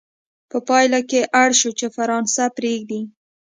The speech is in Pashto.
په پایله کې اړ شو چې فرانسه پرېږدي.